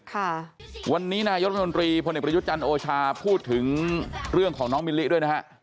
ค่ะวันนี้นายกรัฐมนตรีพลเอกประยุทธ์จันทร์โอชาพูดถึงเรื่องของน้องมิลลิด้วยนะฮะ